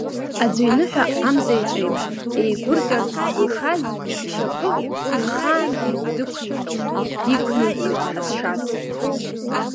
Аӡәы иныҳәа амзаҿеиԥш еигәырӷьарц зылшаз, ишьап ахаангьы дықәиҟьом, диқәныҳәоит ҳазшаз…